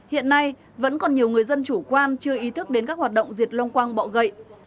hiện nay vẫn còn nhiều người dân chủ quan chưa ý thức đến các hoạt động diệt long quang bọ gậy